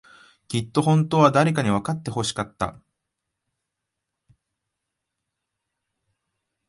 きっと、本当は、誰かにわかってほしかった。